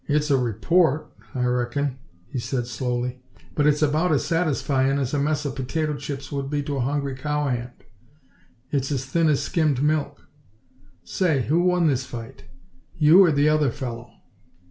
"It's a report, I reckon," he said slowly, "but it's about as satisfyin' as a mess of potato chips would be to a hungry cowhand. It's as thin as skimmed milk. Say, who won this fight? You or the other fellow?"